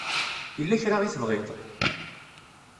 Yella kra i tebɣiḍ?